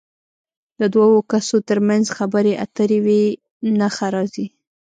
د دوو کسو تر منځ خبرې اترې وي نښه راځي.